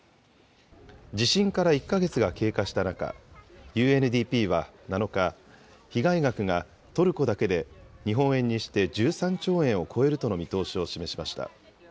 地震から１か月が経過した中、ＵＮＤＰは７日、被害額がトルコだけで日本円にして１３兆円を超えるとの見通しを示しました。